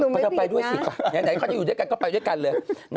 ก็จะไปด้วยสิป่ะไหนเขาจะอยู่ด้วยกันก็ไปด้วยกันเลย